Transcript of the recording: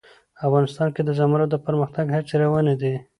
افغانستان کې د زمرد د پرمختګ هڅې روانې دي.